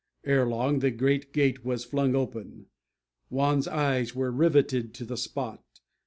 Ere long the great gate was flung open. Juan's eyes were rivetted to the spot.